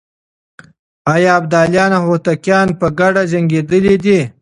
آيا ابداليان او هوتکان په ګډه جنګېدلي دي؟